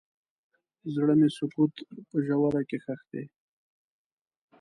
زړه مې د سکوت په ژوره کې ښخ دی.